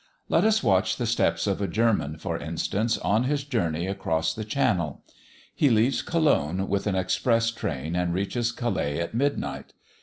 Let us watch the steps of a German, for instance, on his journey across the channel. He leaves Cologne with an express train, and reaches Calais at midnight.